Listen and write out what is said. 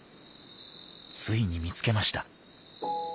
ついに見つけました。